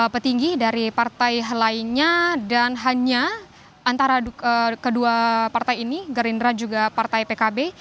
petinggi dari partai lainnya dan hanya antara kedua partai ini gerindra juga partai pkb